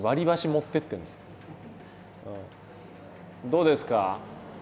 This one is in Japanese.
どうですか？